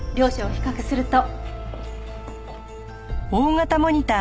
両者を比較すると。